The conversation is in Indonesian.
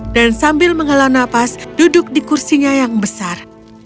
dan sambil menghalau nafas duduk di kursinya yang besar